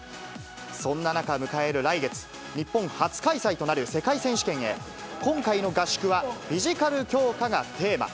そんな中、迎える来月、日本初開催となる世界選手権へ、今回の合宿はフィジカル強化がテーマ。